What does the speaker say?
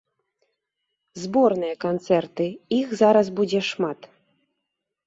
Зборныя канцэрты, іх зараз будзе шмат.